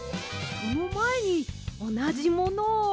そのまえにおなじものを。